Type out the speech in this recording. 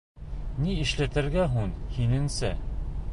Ни эшләтергә һуң, һинеңсә?